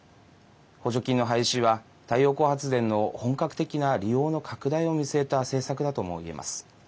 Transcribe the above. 補助金の廃止は太陽光発電の本格的な利用の拡大を見据えた政策だともいえます。